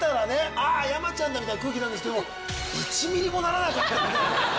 「あっ山ちゃんだ」みたいな空気になるんですけど１ミリもならなかったんで。